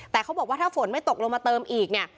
แต่เขาบอกว่าถ้าฝนไม่ตกลงมาเติมอีกเนี่ย